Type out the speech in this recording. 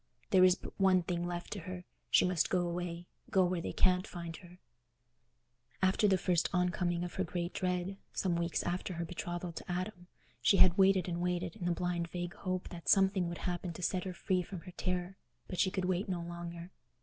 There is but one thing left to her: she must go away, go where they can't find her. After the first on coming of her great dread, some weeks after her betrothal to Adam, she had waited and waited, in the blind vague hope that something would happen to set her free from her terror; but she could wait no longer.